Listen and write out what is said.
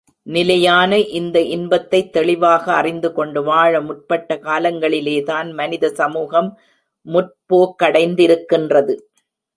நிலையான இந்த இன்பத்தைத் தெளிவாக அறிந்து கொண்டு வாழ முற்பட்ட காலங்களிலேதான் மனித சமூகம் முற்போக்கடைந்திக்கின்றது.